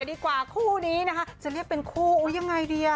ดีกว่าคู่นี้นะคะจะเรียกเป็นคู่อุ้ยยังไงดีอ่ะ